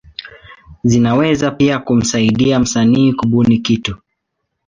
Zinaweza pia kumsaidia msanii kubuni kitu.